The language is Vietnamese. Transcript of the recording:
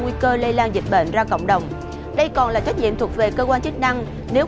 chị và các bạn chúng ta đang cùng đến với chương trình sống khỏe trên trường hình nhân dân